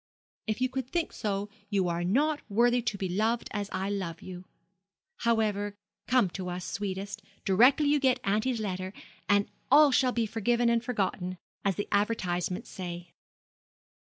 If you could think so, you are not worthy to be loved as I love you. However, come to us, sweetest, directly you get auntie's letter, and all shall be forgiven and forgotten, as the advertisements say.'